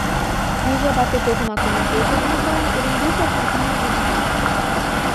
মির্যা বাকের প্রথম আক্রমণ পরিচালনা করেন এবং দুই পক্ষে তুমুল যুদ্ধ হয়।